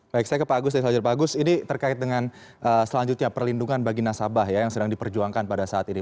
baik saya ke pak agus pak agus ini terkait dengan selanjutnya perlindungan bagi nasabah ya yang sedang diperjuangkan pada saat ini